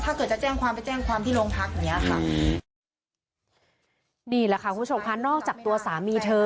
ถ้าเกิดจะแจ้งความไปแจ้งความที่โรงพักอย่างเงี้ยค่ะนี่แหละค่ะคุณผู้ชมค่ะนอกจากตัวสามีเธอ